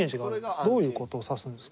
どういう事を指すんですか？